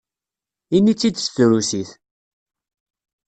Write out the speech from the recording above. Ini-tt-id s trusit!